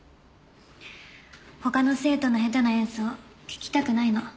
他の生徒の下手な演奏聞きたくないの。